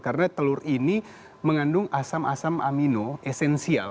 karena telur ini mengandung asam asam amino esensial